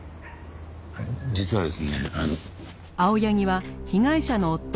実はですねあの。